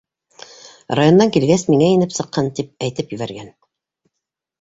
Райондан килгәс миңә инеп сыҡһын, тип әйтеп ебәргән.